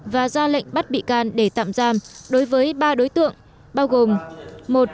và ra lệnh bắt bị can để tạm giam đối với ba đối tượng bao gồm